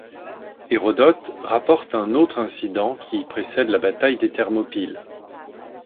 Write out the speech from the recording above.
Hérodote rapporte un autre incident, qui précède la bataille des Thermopyles.